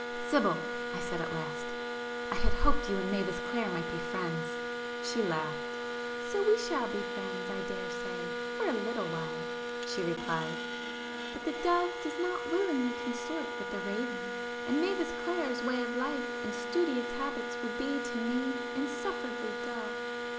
"Sibyl,"—I said at last—"I had hoped you and Mavis Clare might be friends." She laughed. "So we shall be friends I daresay,—for a little while"—she replied—"But the dove does not willingly consort with the raven, and Mavis Clare's way of life and studious habits would be to me insufferably dull.